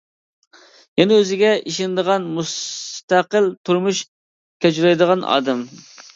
يەنى ئۆزىگە ئىشىنىدىغان، مۇستەقىل تۇرمۇش كەچۈرەلەيدىغان ئادەم.